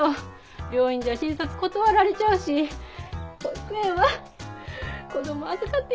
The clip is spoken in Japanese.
「病院じゃ診察断られちゃうし保育園は子供預かってくれへんし」